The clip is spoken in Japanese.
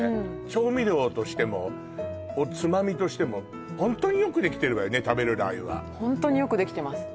調味料としてもおつまみとしてもホントによくできてるわよね食べるラー油はホントによくできてます